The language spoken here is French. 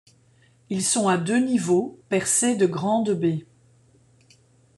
Ils sont à deux niveaux percés de grandes baies.